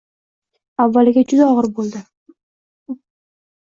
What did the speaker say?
Avvaliga juda og`ir bo`ldi